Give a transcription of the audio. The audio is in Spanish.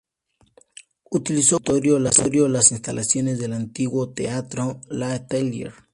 Utilizó como auditorio las instalaciones del antiguo Teatro L’Atelier.